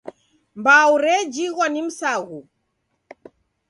Mbau rejighwa ni msaghu